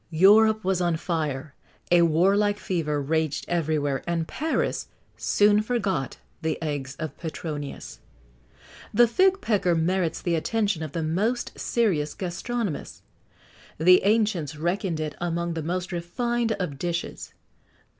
Europe was on fire; a warlike fever raged everywhere; and Paris soon forgot the eggs of Petronius. The fig pecker merits the attention of the most serious gastronomists. The ancients reckoned it among the most refined of dishes.